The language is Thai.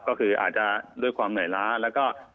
ก็คืออาจจะด้วยความเหนื่อยล้าแล้วก็